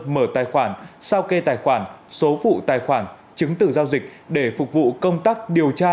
mở tài khoản sao kê tài khoản số phụ tài khoản chứng tử giao dịch để phục vụ công tắc điều tra